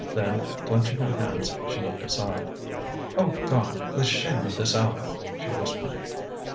Then, clenching her hands, she looked aside. ŌĆ£Oh, God, the shame of this hour! ŌĆØ she whispered.